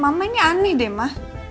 mbak mama ini aneh deh ma